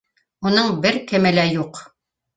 Уның бер кеме лә юҡ